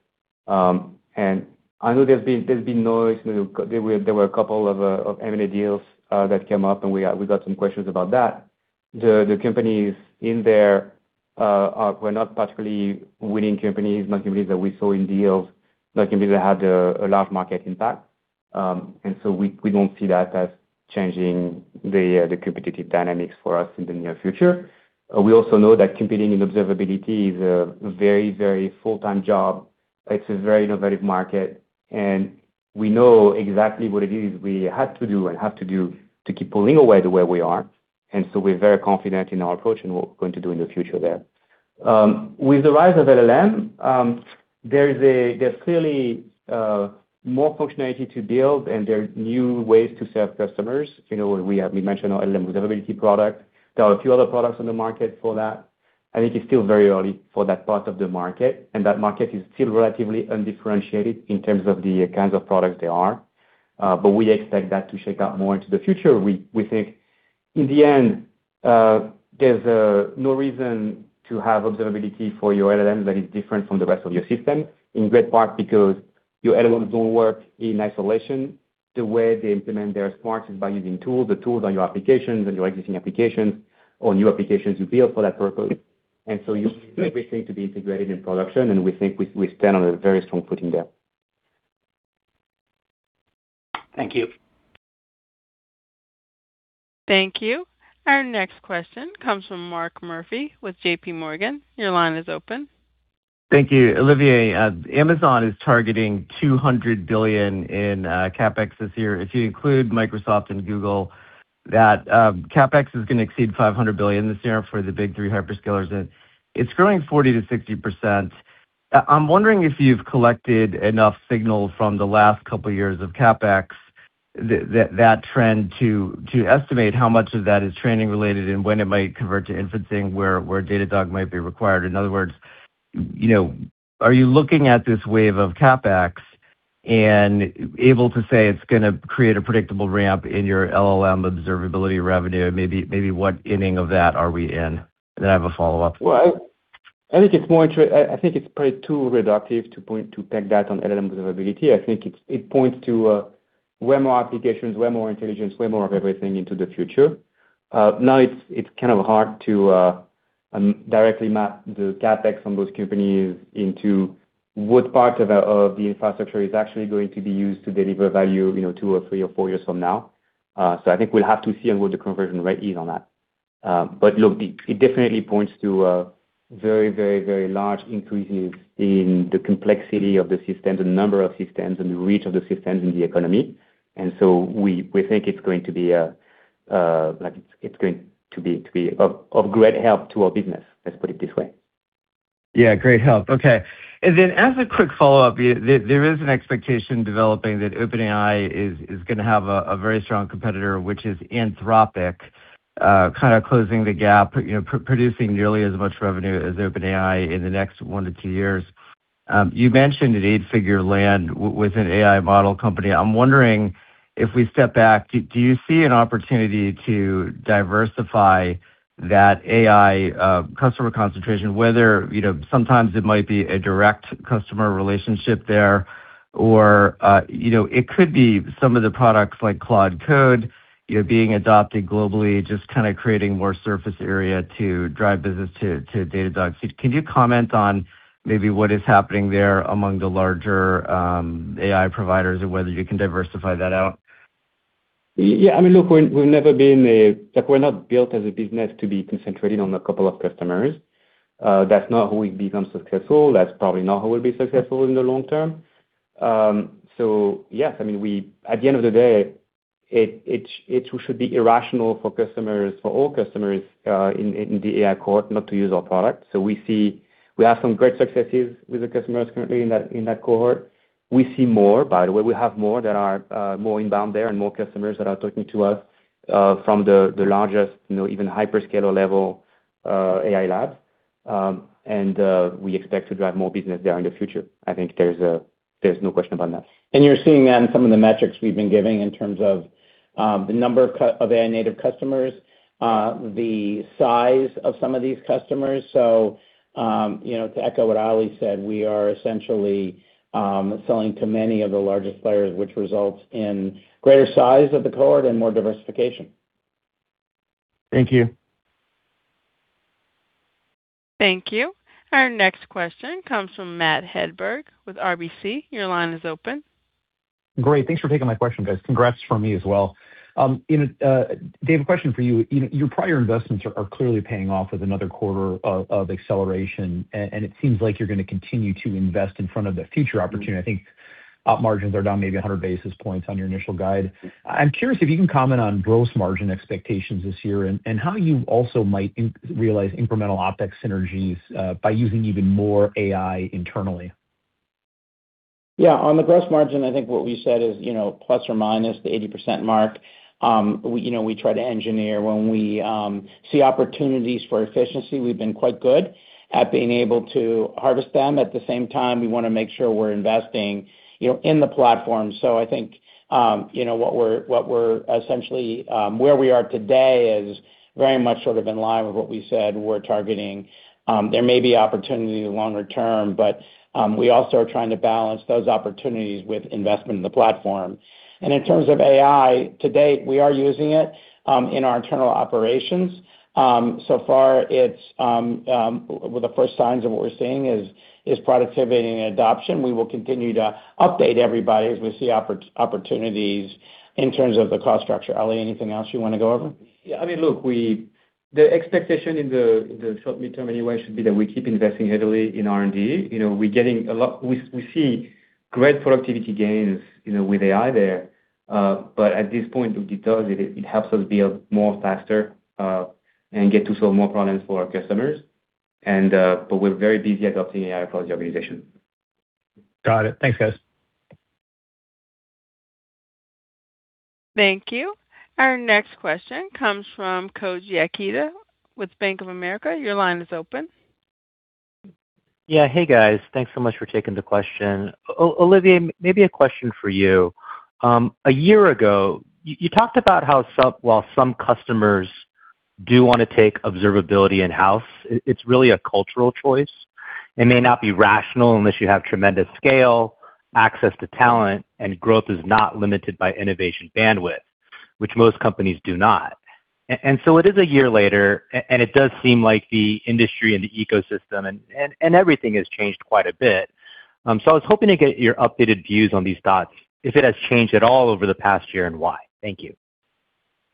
And I know there's been noise. There were a couple of M&A deals that came up, and we got some questions about that. The companies in there were not particularly winning companies, not companies that we saw in deals, not companies that had a large market impact. And so we don't see that as changing the competitive dynamics for us in the near future. We also know that competing in observability is a very, very full-time job. It's a very innovative market, and we know exactly what it is we had to do and have to do to keep pulling away the way we are, and so we're very confident in our approach and what we're going to do in the future there. With the rise of LLM, there is a-- there's clearly more functionality to build and there are new ways to serve customers. You know, we have-- we mentioned our LLM observability product. There are a few other products on the market for that. I think it's still very early for that part of the market, and that market is still relatively undifferentiated in terms of the kinds of products they are. But we expect that to shake out more into the future. We think in the end, there's no reason to have observability for your LLM that is different from the rest of your system, in great part because your LLMs don't work in isolation. The way they implement their smarts is by using tools, the tools on your applications, on your existing applications or new applications you build for that purpose. And so you need everything to be integrated in production, and we think we stand on a very strong footing there. Thank you. Thank you. Our next question comes from Mark Murphy with J.P. Morgan. Your line is open. Thank you. Olivier, Amazon is targeting $200 billion in CapEx this year. If you include Microsoft and Google, that CapEx is gonna exceed $500 billion this year for the big three hyperscalers, and it's growing 40%-60%. I'm wondering if you've collected enough signals from the last couple of years of CapEx, that trend, to estimate how much of that is training related and when it might convert to inferencing, where Datadog might be required. In other words, you know, are you looking at this wave of CapEx and able to say it's gonna create a predictable ramp in your LLM observability revenue? Maybe what inning of that are we in? Then I have a follow-up. Well, I think it's probably too reductive to peg that on LLM Observability. I think it points to way more applications, way more intelligence, way more of everything into the future. Now it's kind of hard to directly map the CapEx from those companies into what part of the infrastructure is actually going to be used to deliver value, you know, two or three or four years from now. So I think we'll have to see on what the conversion rate is on that. But look, it definitely points to a very, very, very large increases in the complexity of the systems, the number of systems and the reach of the systems in the economy. And so we think it's going to be like it's going to be of great help to our business. Let's put it this way. Yeah, great help. Okay. And then as a quick follow-up, there is an expectation developing that OpenAI is gonna have a very strong competitor, which is Anthropic, kind of closing the gap, you know, producing nearly as much revenue as OpenAI in the next 1-2 years. You mentioned an 8-figure land with an AI model company. I'm wondering if we step back, do you see an opportunity to diversify that AI customer concentration, whether, you know, sometimes it might be a direct customer relationship there, or, you know, it could be some of the products like Claude Code, you know, being adopted globally, just kind of creating more surface area to drive business to Datadog. Can you comment on maybe what is happening there among the larger AI providers or whether you can diversify that out? Yeah, I mean, look, we've never been a... Like, we're not built as a business to be concentrated on a couple of customers. That's not how we've become successful. That's probably not how we'll be successful in the long term. So yes, I mean, at the end of the day, it should be irrational for customers, for all customers, in the AI cohort, not to use our product. So we see... We have some great successes with the customers currently in that cohort. We see more, by the way. We have more that are more inbound there and more customers that are talking to us from the largest, you know, even hyperscaler level AI labs. And we expect to drive more business there in the future. I think there's, there's no question about that. You're seeing that in some of the metrics we've been giving in terms of the number of AI-native customers, the size of some of these customers. So, you know, to echo what Oli said, we are essentially selling to many of the largest players, which results in greater size of the cohort and more diversification. Thank you. Thank you. Our next question comes from Matt Hedberg with RBC. Your line is open. Great. Thanks for taking my question, guys. Congrats from me as well. You know, David, a question for you. You know, your prior investments are clearly paying off with another quarter of acceleration, and it seems like you're gonna continue to invest in front of the future opportunity. I think op margins are down maybe 100 basis points on your initial guide. I'm curious if you can comment on gross margin expectations this year and how you also might realize incremental OpEx synergies by using even more AI internally?... Yeah, on the gross margin, I think what we said is, you know, ±80% mark. We, you know, we try to engineer. When we see opportunities for efficiency, we've been quite good at being able to harvest them. At the same time, we wanna make sure we're investing, you know, in the platform. So I think, you know, what we're essentially, where we are today is very much sort of in line with what we said we're targeting. There may be opportunity longer term, but, we also are trying to balance those opportunities with investment in the platform. And in terms of AI, to date, we are using it in our internal operations. So far, it's, well, the first signs of what we're seeing is productivity and adoption. We will continue to update everybody as we see opportunities in terms of the cost structure. Oli, anything else you wanna go over? Yeah, I mean, look, the expectation in the, in the short midterm anyway, should be that we keep investing heavily in R&D. You know, we're getting a lot... We see great productivity gains, you know, with AI there. But at this point, it does, it helps us build more faster, and get to solve more problems for our customers. But we're very busy adopting AI across the organization. Got it. Thanks, guys. Thank you. Our next question comes from Koji Ikeda with Bank of America. Your line is open. Yeah. Hey, guys. Thanks so much for taking the question. Olivier, maybe a question for you. A year ago, you talked about how some, while some customers do wanna take observability in-house, it's really a cultural choice. It may not be rational unless you have tremendous scale, access to talent, and growth is not limited by innovation bandwidth, which most companies do not. And so it is a year later, and it does seem like the industry and the ecosystem and, and, and everything has changed quite a bit. So I was hoping to get your updated views on these dots, if it has changed at all over the past year, and why? Thank you.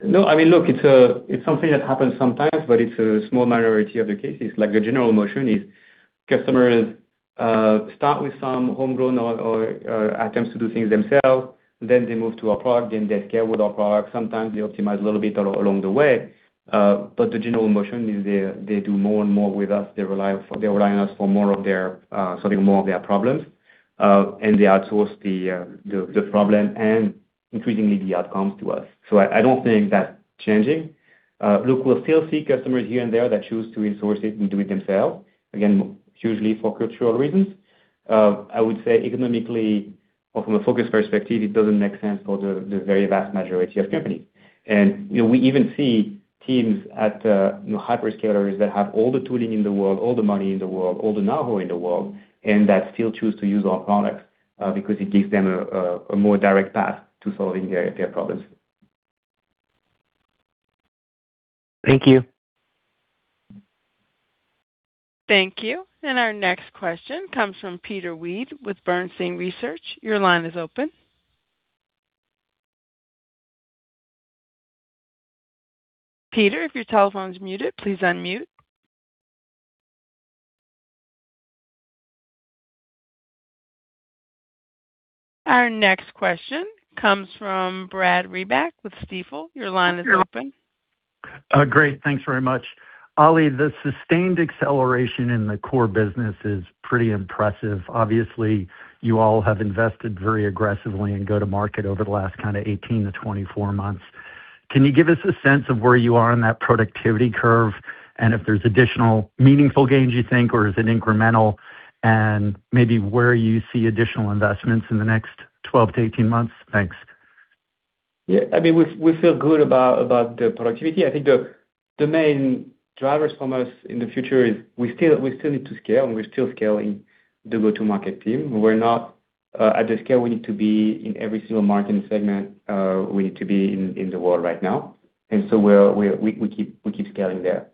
No, I mean, look, it's something that happens sometimes, but it's a small minority of the cases. Like, the general motion is customers start with some homegrown or attempts to do things themselves, then they move to our product, and they scale with our product. Sometimes they optimize a little bit along the way, but the general motion is they do more and more with us. They rely on us for more of their solving more of their problems, and they outsource the problem and increasingly the outcomes to us. So I don't think that's changing. Look, we'll still see customers here and there that choose to in-source it and do it themselves, again, usually for cultural reasons. I would say economically or from a focus perspective, it doesn't make sense for the very vast majority of companies. You know, we even see teams at, you know, hyperscalers that have all the tooling in the world, all the money in the world, all the know-how in the world, and that still choose to use our products because it gives them a more direct path to solving their problems. Thank you. Thank you. And our next question comes from Peter Weed with Bernstein Research. Your line is open. Peter, if your telephone is muted, please unmute. Our next question comes from Brad Reback with Stifel. Your line is open. Great. Thanks very much. Oli, the sustained acceleration in the core business is pretty impressive. Obviously, you all have invested very aggressively in go-to-market over the last kind of 18-24 months. Can you give us a sense of where you are on that productivity curve, and if there's additional meaningful gains, you think, or is it incremental? And maybe where you see additional investments in the next 12-18 months? Thanks. Yeah, I mean, we feel good about the productivity. I think the main drivers from us in the future is we still need to scale, and we're still scaling the go-to-market team. We're not at the scale we need to be in every single market and segment we need to be in the world right now, and so we keep scaling there.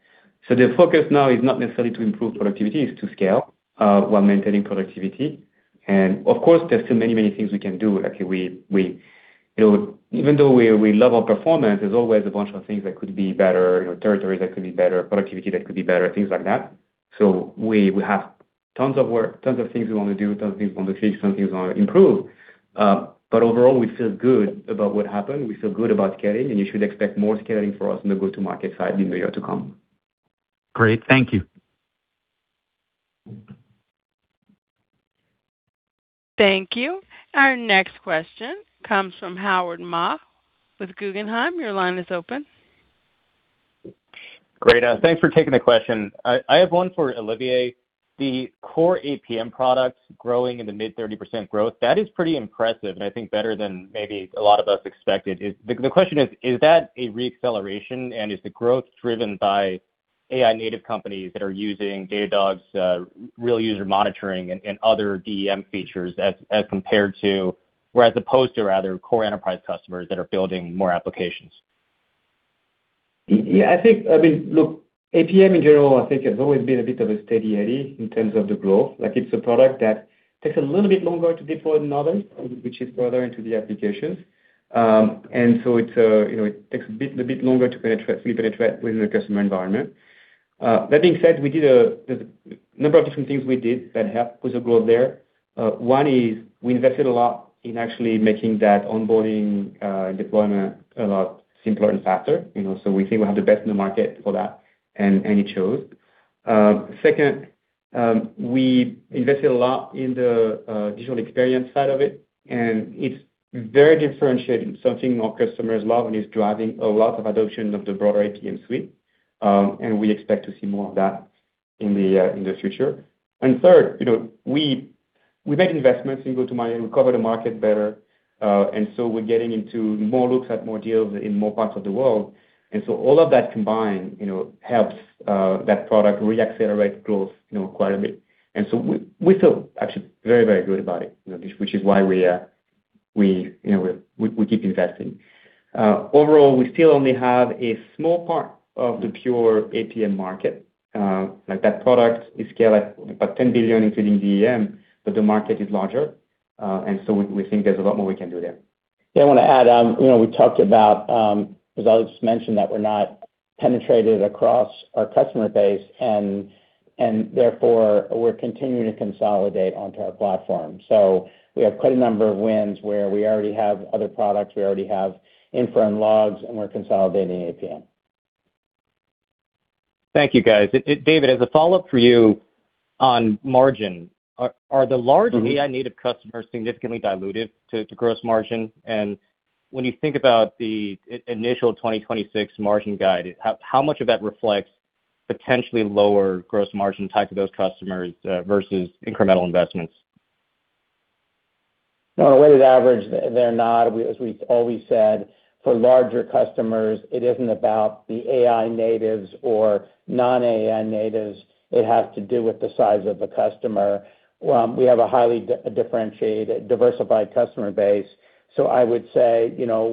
So the focus now is not necessarily to improve productivity, it's to scale while maintaining productivity. And of course, there's still many, many things we can do. Actually, you know, even though we love our performance, there's always a bunch of things that could be better, you know, territories that could be better, productivity that could be better, things like that. We have tons of work, tons of things we wanna do, tons of things we wanna fix, some things we wanna improve. But overall, we feel good about what happened, we feel good about scaling, and you should expect more scaling for us on the go-to-market side in the year to come. Great. Thank you. Thank you. Our next question comes from Howard Ma with Guggenheim. Your line is open. Great. Thanks for taking the question. I have one for Olivier. The core APM products growing in the mid-30% growth, that is pretty impressive, and I think better than maybe a lot of us expected. Is the question: Is that a re-acceleration, and is the growth driven by AI-native companies that are using Datadog's real user monitoring and other DEM features as compared to, or as opposed to, rather, core enterprise customers that are building more applications? Yeah, I think—I mean, look, APM in general, I think, has always been a bit of a steady Eddie in terms of the growth. Like, it's a product that takes a little bit longer to deploy than others, which is further into the applications. And so it's, you know, it takes a bit longer to penetrate within the customer environment. That being said, we did a number of different things we did that helped with the growth there. One is we invested a lot in actually making that onboarding deployment a lot simpler and faster. You know, so we think we have the best in the market for that, and it shows. Second, we invested a lot in the digital experience side of it, and it's very differentiated, something our customers love, and is driving a lot of adoption of the broader APM suite. And we expect to see more of that in the future. And third, you know, we made investments in go-to-market, we cover the market better, and so we're getting into more looks at more deals in more parts of the world. And so all of that combined, you know, helps that product reaccelerate growth, you know, quite a bit. And so we feel actually very, very good about it, you know, which is why we keep investing. Overall, we still only have a small part of the pure APM market. Like that product is scaled at about $10 billion, including VEM, but the market is larger. And so we think there's a lot more we can do there. Yeah, I wanna add, you know, we talked about, as I just mentioned, that we're not penetrated across our customer base, and, and therefore, we're continuing to consolidate onto our platform. So we have quite a number of wins where we already have other products, we already have infra and logs, and we're consolidating APM. Thank you, guys. David, as a follow-up for you on margin, are the larger- Mm-hmm... AI-native customers significantly diluted to gross margin? And when you think about the initial 2026 margin guide, how much of that reflects potentially lower gross margin type of those customers versus incremental investments? On a weighted average, they're not. As we've always said, for larger customers, it isn't about the AI natives or non-AI natives, it has to do with the size of the customer. We have a highly differentiated, diversified customer base, so I would say, you know,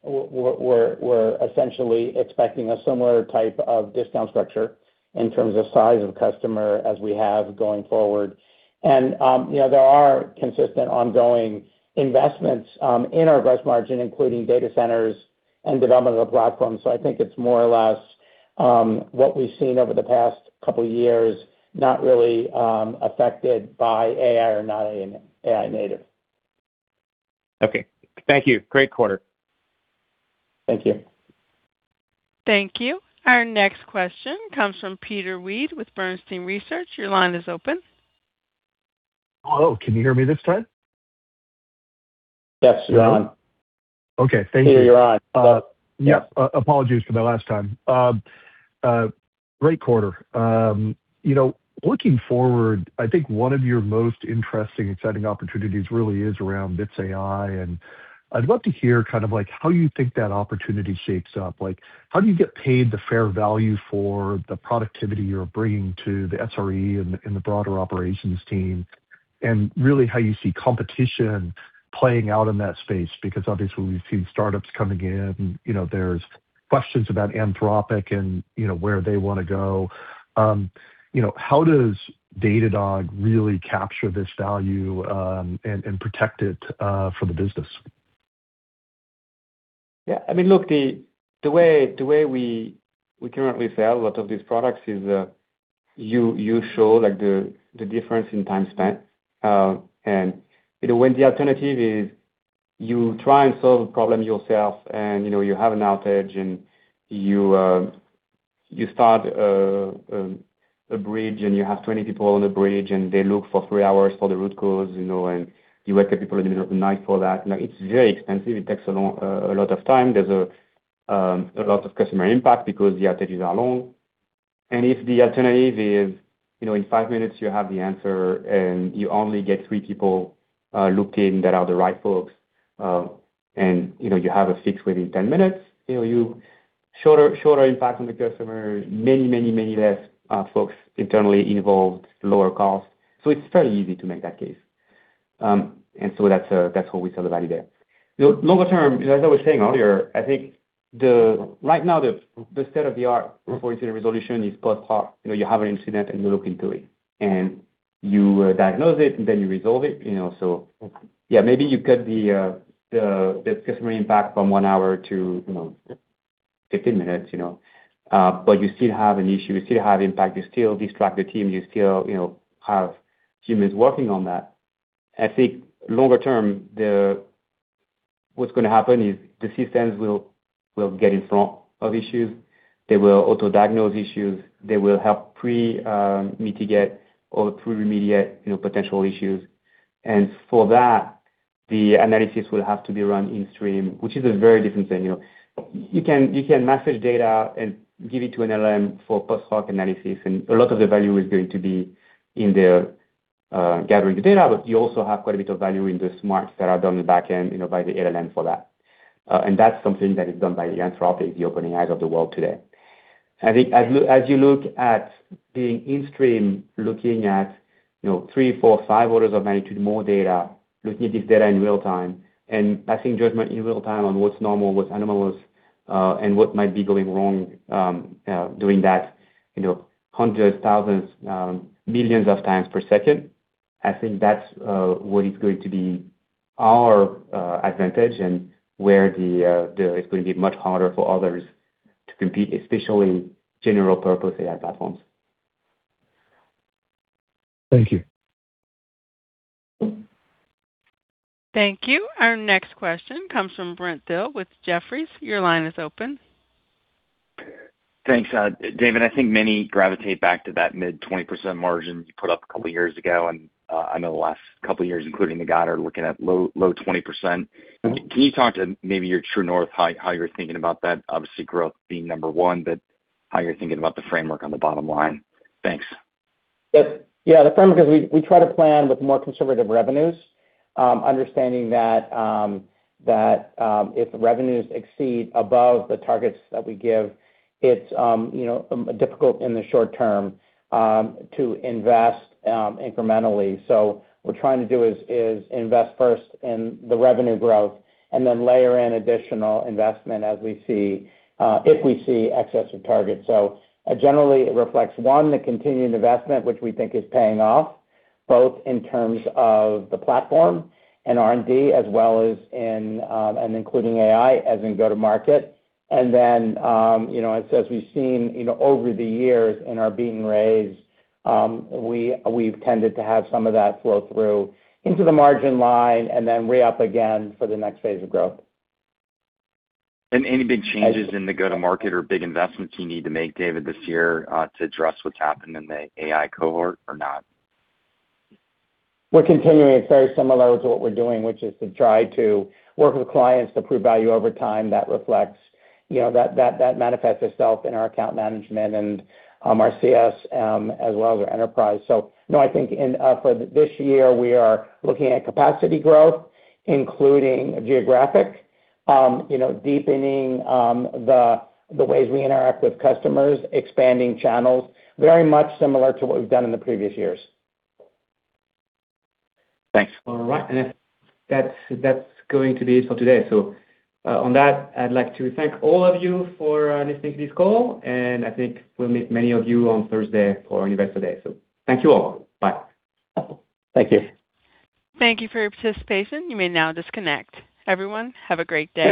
we're essentially expecting a similar type of discount structure in terms of size of customer as we have going forward. And, you know, there are consistent ongoing investments in our gross margin, including data centers and development of the platform. So I think it's more or less what we've seen over the past couple of years, not really affected by AI or not AI, AI native. Okay. Thank you. Great quarter. Thank you. Thank you. Our next question comes from Peter Weed with Bernstein Research. Your line is open. Hello, can you hear me this time? Yes, you're on. Okay, thank you. You're on. Yeah, apologies for the last time. Great quarter. You know, looking forward, I think one of your most interesting, exciting opportunities really is around Bits AI, and I'd love to hear kind of, like, how you think that opportunity shapes up. Like, how do you get paid the fair value for the productivity you're bringing to the SRE and the broader operations team, and really how you see competition playing out in that space? Because obviously we've seen startups coming in, you know, there's questions about Anthropic and, you know, where they wanna go. You know, how does Datadog really capture this value, and protect it, for the business? Yeah, I mean, look, the way we currently sell a lot of these products is, you show, like, the difference in time spent. And, you know, when the alternative is you try and solve a problem yourself and, you know, you have an outage and you start a bridge, and you have 20 people on the bridge, and they look for 3 hours for the root cause, you know, and you wake up people in the middle of the night for that. Like, it's very expensive. It takes a lot of time. There's a lot of customer impact because the outages are long. If the alternative is, you know, in five minutes you have the answer, and you only get three people looking that are the right folks, and, you know, you have a fix within 10 minutes, you know, you shorter, shorter impact on the customer, many, many, many less folks internally involved, lower cost. So it's fairly easy to make that case. And so that's what we sell the value there. The longer term, as I was saying earlier, I think the... Right now, the state-of-the-art for incident resolution is post-hoc. You know, you have an incident, and you look into it, and you diagnose it, and then you resolve it, you know, so, yeah, maybe you cut the customer impact from one hour to, you know, 15 minutes, you know, but you still have an issue, you still have impact, you still distract the team, you still, you know, have humans working on that. I think longer term, what's going to happen is the systems will get in front of issues, they will auto diagnose issues, they will help pre-mitigate or pre-remediate, you know, potential issues. And for that, the analysis will have to be run in stream, which is a very different thing, you know. You can, you can message data and give it to an LM for post-hoc analysis, and a lot of the value is going to be in the gathering the data, but you also have quite a bit of value in the smarts that are done on the back end, you know, by the LM for that. And that's something that is done by the Anthropic, the OpenAI of the world today. I think as you look at being in stream, looking at, you know, 3, 4, 5 orders of magnitude more data, looking at this data in real time and passing judgment in real time on what's normal, what's anomalous, and what might be going wrong, doing that, you know, hundreds, thousands, millions of times per second, I think that's what is going to be our advantage and where it's going to be much harder for others to compete, especially general purpose AI platforms. Thank you. Thank you. Our next question comes from Brent Thill with Jefferies. Your line is open. Thanks, David, I think many gravitate back to that mid-20% margin you put up a couple years ago, and I know the last couple of years, including the guide, are looking at low, low 20%. Can you talk to maybe your true north, how, how you're thinking about that? Obviously, growth being number one, but how you're thinking about the framework on the bottom line. Thanks. Yep. Yeah, the framework is we try to plan with more conservative revenues, understanding that that if the revenues exceed above the targets that we give, it's you know difficult in the short term to invest incrementally. So what we're trying to do is invest first in the revenue growth and then layer in additional investment as we see if we see excess of target. So generally, it reflects one the continuing investment, which we think is paying off, both in terms of the platform and R&D, as well as in and including AI, as in go-to-market. And then, you know, as we've seen, you know, over the years in our beat and raise, we've tended to have some of that flow through into the margin line and then re-up again for the next phase of growth. Any big changes in the go-to-market or big investments you need to make, David, this year, to address what's happened in the AI cohort or not? We're continuing. It's very similar to what we're doing, which is to try to work with clients to prove value over time that reflects, you know, that manifests itself in our account management and our CS, as well as our enterprise. So no, I think in for this year, we are looking at capacity growth, including geographic, you know, deepening the ways we interact with customers, expanding channels, very much similar to what we've done in the previous years. Thanks. All right. And that's, that's going to be it for today. So, on that, I'd like to thank all of you for listening to this call, and I think we'll meet many of you on Thursday for Investor Day. So thank you all. Bye. Thank you. Thank you for your participation. You may now disconnect. Everyone, have a great day.